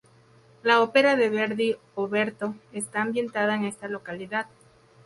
La ópera de Verdi "Oberto" está ambientada en esta localidad.